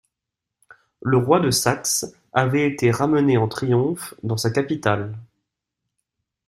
Le roi de Saxe avait été ramené en triomphe dans sa capitale.